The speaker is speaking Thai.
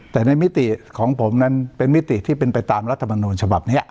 แต่ในมิติของผมนั้นเป็นมิติที่เป็นไปตามรัฐมนูญฉบับนี้